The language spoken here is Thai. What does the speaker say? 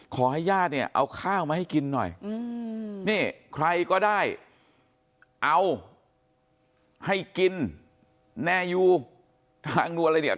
ขอให้ญาติเนี่ยเอาข้าวมาให้กินหน่อยนี่ใครก็ได้เอาให้กินแน่ยูทางนวลอะไรเนี่ย